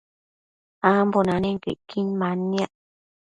ambo nanenquio icquin manniac